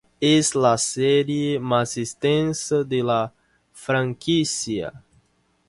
Es la serie más extensa de la franquicia.